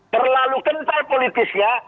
terlalu kental politisnya